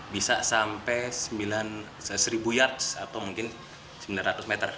bisa sampai seribu yats atau mungkin sembilan ratus meter